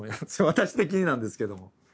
私的になんですけども。